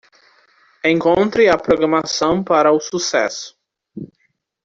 Encontre a programação para o sucesso.